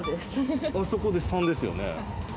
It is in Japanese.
あそこで３ですよね。